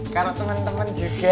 karena temen temen juga